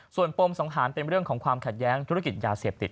ส่วนปมสังหารเป็นเรื่องของความขัดแย้งธุรกิจยาเสพติด